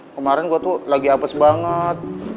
kemarin gue tuh lagi apes banget